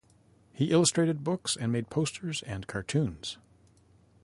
He illustrated books, and made posters and cartoons.